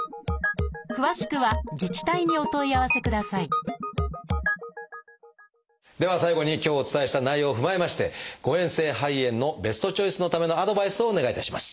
詳しくは自治体にお問い合わせくださいでは最後に今日お伝えした内容を踏まえまして誤えん性肺炎のベストチョイスのためのアドバイスをお願いいたします。